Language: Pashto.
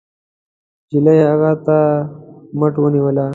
نجلۍ هغه تر مټ ونيوله.